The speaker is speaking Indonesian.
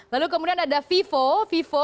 lalu kemudian ada vivo